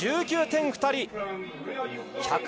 １９点２人。